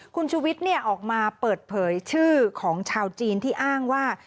คุณชุวิตออกมาเปิดเผยชื่อของชาวจีนที่อ้างว่า